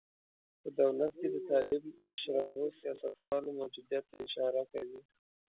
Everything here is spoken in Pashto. په دولت کې د طالب مشربو سیاستوالو موجودیت ته اشاره کوي.